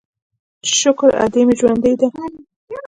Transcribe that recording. چې شکر ادې مې ژوندۍ ده.